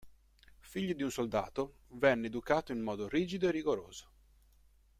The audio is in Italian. Figlio di un soldato, venne educato in modo rigido e rigoroso.